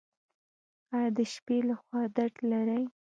ایا د شپې لخوا درد لرئ؟